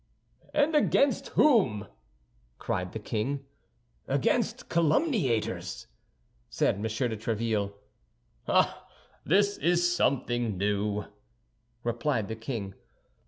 "And against whom?" cried the king. "Against calumniators," said M. de Tréville. "Ah! This is something new," replied the king.